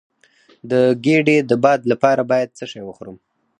د ګیډې د باد لپاره باید څه شی وخورم؟